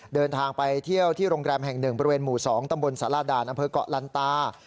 เดินทางไปเที่ยวที่โรงแรมแห่ง๑บริเวณหมู่๒ตำบลสารด่านอำเภอกเกาะลันตา